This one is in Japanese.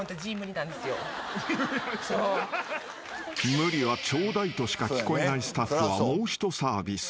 ［「無理」は「ちょうだい」としか聞こえないスタッフはもう一サービス］